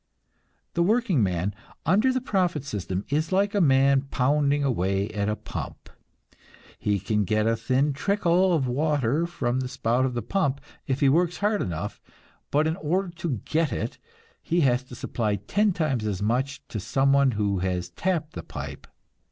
The workingman, under the profit system, is like a man pounding away at a pump. He can get a thin trickle of water from the spout of the pump if he works hard enough, but in order to get it he has to supply ten times as much to some one who has tapped the pipe.